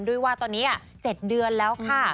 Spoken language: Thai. ด้วยว่าตอนนี้๗เดือนแล้วค่ะ